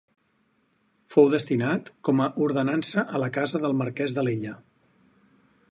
Fou destinat com a ordenança a la casa del marquès d'Alella.